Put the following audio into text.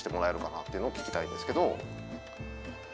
っていうのを聞きたいんですけど。